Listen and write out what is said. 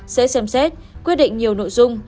sẽ xem xét quyết định nhiều nội dung